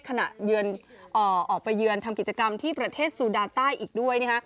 ออกไปเยือนทำกิจกรรมที่ประเทศซูดาใต้อีกด้วย